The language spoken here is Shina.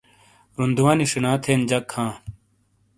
روندوانی شینا تھین جک ھاں